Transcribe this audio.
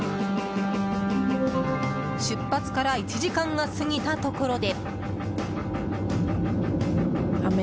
出発から１時間が過ぎたところで。